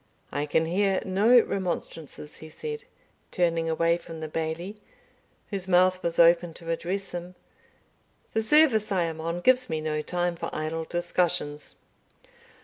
I can hear no remonstrances," he continued, turning away from the Bailie, whose mouth was open to address him; "the service I am on gives me no time for idle discussions."